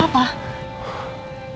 papa sekarang ini adalah masa masa